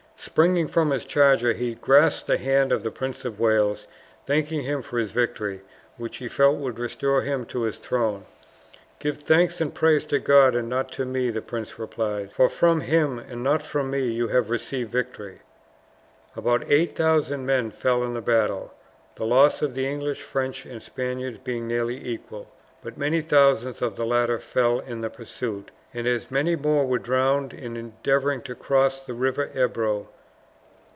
Springing from his charger he grasped the hand of the Prince of Wales, thanking him for his victory, which he felt would restore him to his throne. "Give thanks and praise to God, and not to me," the prince replied, "for from Him, and not from me, you have received victory." About 8000 men fell in the battle, the loss of the English, French, and Spaniards being nearly equal; but many thousands of the latter fell in the pursuit, and as many more were drowned in endeavouring to cross the river Ebro.